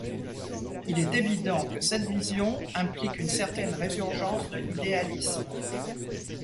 Il est évident que cette vision implique une certaine résurgence de l’idéalisme.